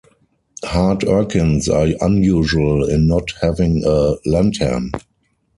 Heart urchins are unusual in not having a lantern.